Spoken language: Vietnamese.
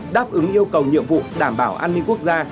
đáp ứng yêu cầu nhiệm vụ đảm bảo an ninh quốc gia